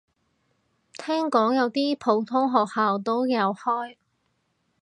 聽講有啲普通學校都有開